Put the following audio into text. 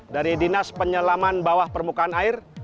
dari dinas penyelaman bawah permukaan air